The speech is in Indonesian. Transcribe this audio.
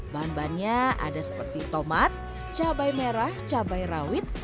bahan bahannya ada seperti tomat cabai merah cabai rawit